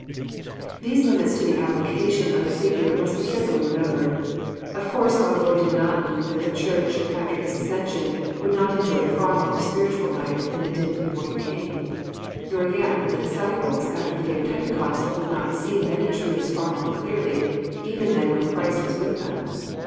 These limits to the application of the figure must be carefhily remembered. Of course our Lord did not mean that the Church, after His ascension, would not enjoy far more spiritual light than it did before He came ; nor yet that the disciples, after the day of Pentecost, would not see many truths far more clearly even than when Christ was with them.